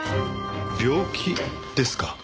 病気ですか。